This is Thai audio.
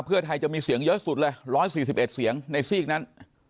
เสียงเยอร์สุดเลย๔๑๑เสียงในสี่กนั้น